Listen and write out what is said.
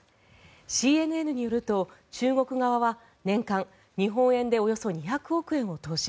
ＣＮＮによると中国側は年間日本円でおよそ２００億円を投資。